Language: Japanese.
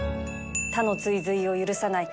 他の追随を許さない